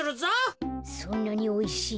そんなにおいしい？